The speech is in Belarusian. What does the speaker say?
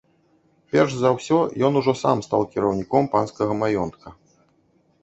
Перш за ўсё ён ужо сам стаў кіраўніком панскага маёнтка.